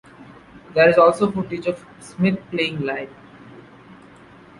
There is also footage of Smith playing live.